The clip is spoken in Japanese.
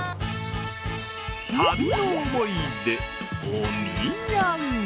旅の思い出、お土産。